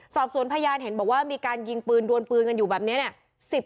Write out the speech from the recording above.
สอบสวนพยานเห็นบอกว่ามีการยิงปืนดวนปืนกันอยู่แบบนี้เนี่ย